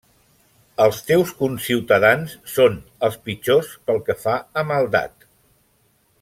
Els teus conciutadans són els pitjors pel que fa a maldat.